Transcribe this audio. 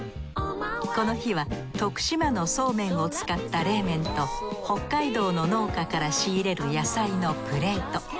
この日は徳島のそうめんを使った冷麺と北海道の農家から仕入れる野菜のプレート。